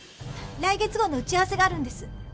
来月号の打ち合わせがあるんです。